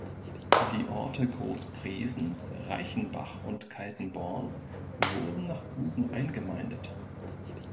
Die Orte Groß-Breesen, Reichenbach und Kaltenborn wurden nach Guben eingemeindet.